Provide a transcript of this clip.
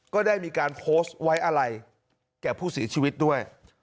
ก็ได้มีการโพสต์ไว้อะไรแก่ผู้เสียชีวิตด้วย